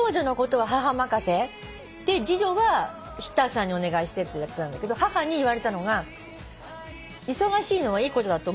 で次女はシッターさんにお願いしてってやってたんだけど母に言われたのが「忙しいのはいいことだと思う」